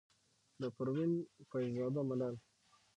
د پروين فيض زاده ملال،